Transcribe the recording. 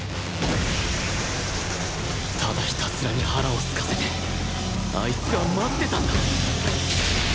ただひたすらに腹をすかせてあいつは待ってたんだ！